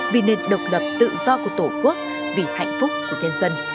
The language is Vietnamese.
vì nền độc lập tự do của tổ quốc vì hạnh phúc của nhân dân